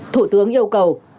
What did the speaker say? thủ tướng yêu cầu